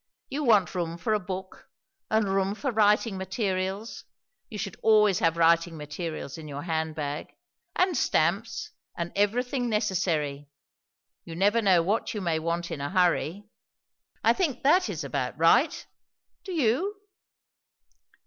"You want room for a book, and room for writing materials; you should always have writing materials in your hand bag, and stamps, and everything necessary. You never know what you may want in a hurry. I think that is about right; do you?"